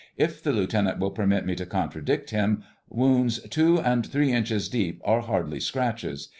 "If the Lieutenant will permit me to contradict him, wounds two and three inches deep are hardly scratches.